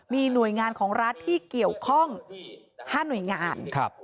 มีหน่วยงานของรัฐที่เกี่ยวข้อง๕หน่วยงาน